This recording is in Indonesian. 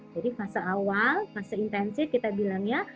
jadi fase awal fase intensif kita bilangnya